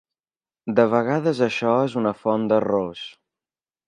De vegades això és una font d'errors.